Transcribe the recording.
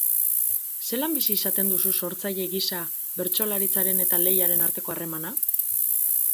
Zelan bizi izaten duzu, sortzaile gisa, bertsolaritzaren eta lehiaren arteko harremana?